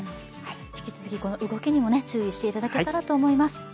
引き続き動きにも注意していただけたらと思います。